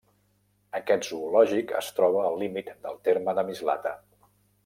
Aquest zoològic es troba al límit del terme de Mislata.